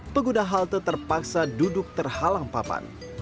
pengguna halte terpaksa duduk terhalang papan